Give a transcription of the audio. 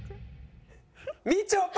みちょぱ！